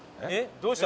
どうした？